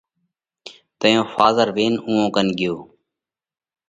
تئيون ڦازر وينَ اُوئون ڪنَ ڳيو۔